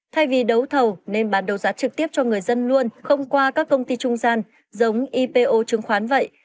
thay vì đấu thầu nên bán đấu giá trực tiếp cho người dân luôn không qua các công ty trung gian giống ipo chứng khoán vậy